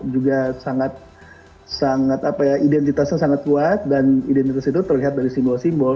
juga sangat identitasnya sangat kuat dan identitas itu terlihat dari simbol simbol